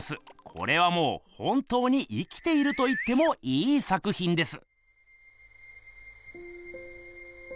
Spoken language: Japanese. これはもう本当に生きていると言ってもいい作ひんです。